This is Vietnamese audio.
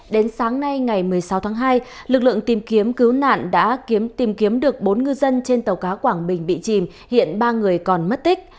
đến sáng nay ngày một mươi sáu tháng hai lực lượng tìm kiếm cứu nạn đã tìm kiếm được bốn ngư dân trên tàu cá quảng bình bị chìm hiện ba người còn mất tích